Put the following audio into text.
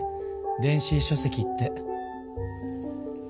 電子書せきって。